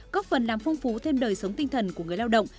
góp phần làm phung phú thêm đời sống tinh thần của người lao động